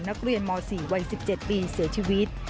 นักเรียนม๔วัย๑๗ปีเสียชีวิต